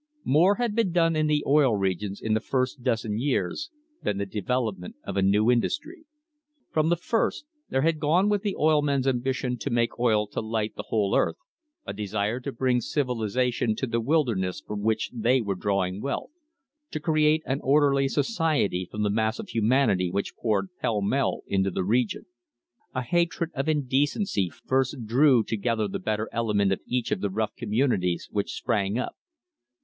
More had been done in the Oil Regions in the first dozen years than the development of a new industry. From the first there had gone with the oil men's ambition to make oil to light the whole earth a desire to bring civilisation to the wilderness from which they were drawing wealth, to create an orderly society from the mass of humanity which poured pell mell into the region. A hatred of indecency first drew together the better element of each of the rough communities which sprang up.